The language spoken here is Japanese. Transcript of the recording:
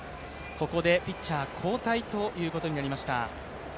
ここでピッチャー交代ということになりました。